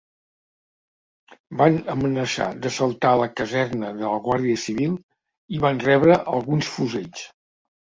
Van amenaçar d'assaltar la caserna de la guàrdia civil i van rebre alguns fusells.